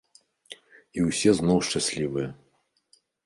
І ўсе зноў шчаслівыя.